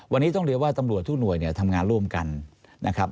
วันนี้ต้องเรียกว่าตำรวจทุกหน่วยเนี่ยทำงานร่วมกันนะครับ